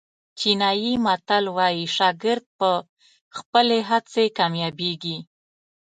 چینایي متل وایي شاګرد په خپلې هڅې کامیابېږي.